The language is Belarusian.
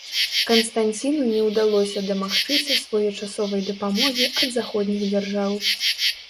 Канстанціну не ўдалося дамагчыся своечасовай дапамогі ад заходніх дзяржаў.